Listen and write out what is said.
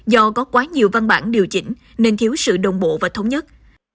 do có quá nhiều văn bản điều chỉnh nên thiếu sự đồng bộ và thống nhất